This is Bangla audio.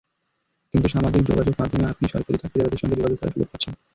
কিন্তু সামাজিক যোগযোগ মাধ্যমে আপনি সরাসরি চাকরিদাতার সঙ্গে যোগাযোগ করার সুযোগ পাচ্ছেন।